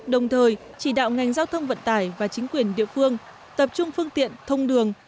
đồng thời chỉ đạo ngành giao thông vận tải và chính quyền địa phương tập trung phương tiện thông đường